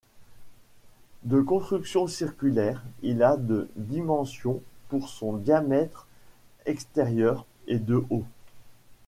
De construction circulaire, il a de dimension pour son diamètre extérieur, et de haut.